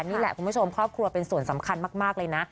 นี่แหละคุณผู้ชมครอบครัวเป็นส่วนสำคัญมากเลยนะ